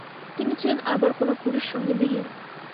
তিনি ছিলেন আবার কোনও পুরুষ সঙ্গীবিহীন ।